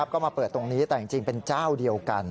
ก็มาเปิดตรงนี้แต่จริงเป็นเจ้าเดียวกัน